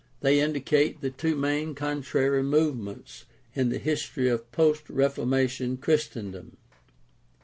They indicate the two main contrary movements in the history of post Reformation Christendom.